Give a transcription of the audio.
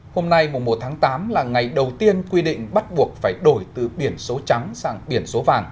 hôm nay mùa một tháng tám là ngày đầu tiên quy định bắt buộc phải đổi từ biển số trắng sang biển số vàng